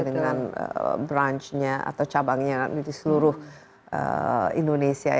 dengan brunch nya atau cabangnya di seluruh indonesia